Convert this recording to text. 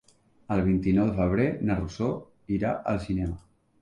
El vint-i-nou de febrer na Rosó irà al cinema.